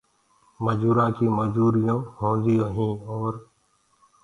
مجورآن ڪي مجوريون هونديون هين اور